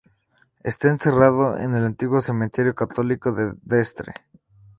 Está enterrado en el Antiguo Cementerio Católico de Dresde.